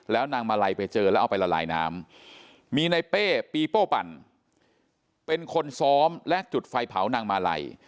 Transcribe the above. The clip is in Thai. แล้วนางมาลัยไปเจอแล้วเอาไปละลายน้ำมีในเป้ปีโป้ปั่นเป็นคนซ้อมและจุดไฟเผานางมาลัย